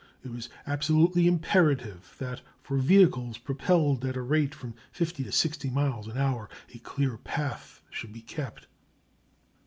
It was absolutely imperative that for vehicles propelled at a rate of from 50 to 60 miles an hour a clear path should be kept.